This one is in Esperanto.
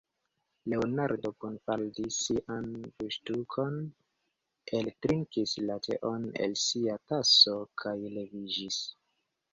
Leonardo kunfaldis sian buŝtukon, eltrinkis la teon el sia taso, kaj leviĝis.